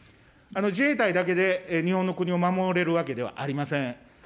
自衛隊だけで日本の国を守れるわけではありません。